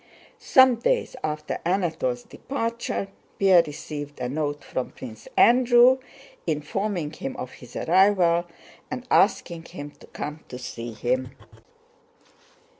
Some days after Anatole's departure Pierre received a note from Prince Andrew, informing him of his arrival and asking him to come to see him.